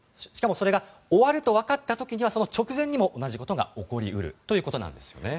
しかもそれが終わるとわかった時にはその直前にも同じことが起こり得るということです。